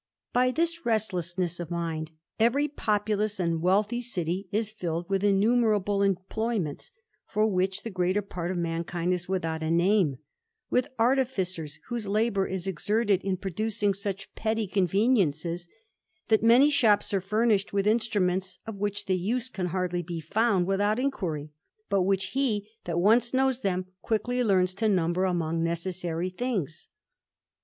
By this restlessness of mind, every populous and wealthy ^ity is filled with innumerable employments, for which the greater part of mankind is without a name ; with artificers, Mrhose labour is exerted in producing such petty con veniences, that many shops are furnished with instruments of which the use can hardly be found without inquiry, but prhich he that once knows them quickly learns to numbei* imong necessary things.